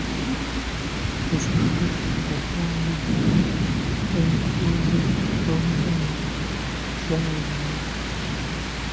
Tufube okuwandiika enkuluze z’Oluganda eza buli ngeri